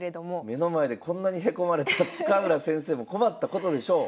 目の前でこんなにへこまれたら深浦先生も困ったことでしょう。